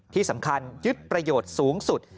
ที่สำคัญยึดประโยชน์สูงสุด